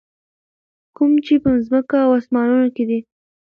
کوم چې په ځکمه او اسمانونو کي دي.